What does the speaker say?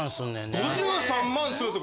５３万するんですよ